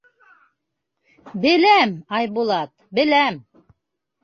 — Беләм, Айбулат, беләм.